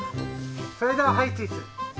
それでははいチーズ！